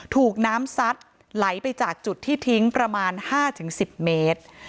ถูกน้ำซัดไหลไปจากจุดที่ทิ้งประมาณ๕๑๐เมตร